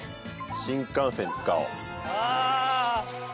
新幹線使おう。